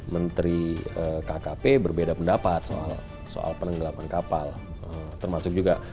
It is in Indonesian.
menteri kkp berbeda pendapat soal soal penenggelaman kapal termasuk juga